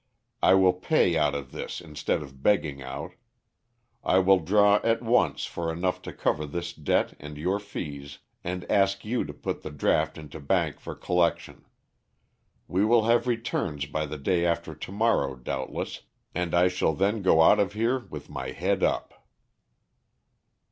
I will pay out of this instead of begging out. I will draw at once for enough to cover this debt and your fees, and ask you to put the draft into bank for collection. We will have returns by the day after to morrow, doubtless, and I shall then go out of here with my head up."